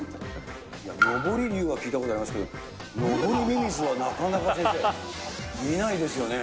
昇り竜は聞いたことありますけど、昇りミミズはなかなか先生、見ないですよね。